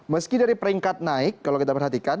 meski dari peringkat naik kalau kita perhatikan